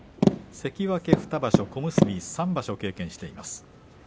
関脇２場所、小結３場所経験しています。